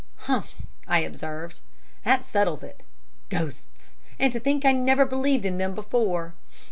"Humph!" I observed. "That settles it! Ghosts! And to think I never believed in them before!